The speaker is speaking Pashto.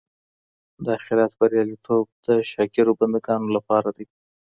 د اخیرت بریالیتوب د شاکرو بندګانو لپاره دی.